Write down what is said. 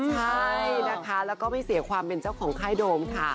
ใช่นะคะแล้วก็ไม่เสียความเป็นเจ้าของค่ายโดมค่ะ